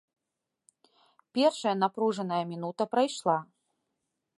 Першая напружаная мінута прайшла.